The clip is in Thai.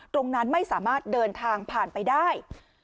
ตรงนั้นไม่สามารถเดินทางผ่านไปได้